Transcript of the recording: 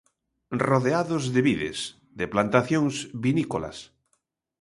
Rodeados de vides, de plantacións vinícolas.